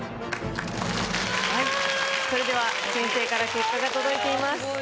それでは先生から結果が届いています。